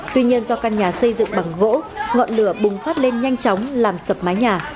tuy nhiên do căn nhà xây dựng bằng gỗ ngọn lửa bùng phát lên nhanh chóng làm sập mái nhà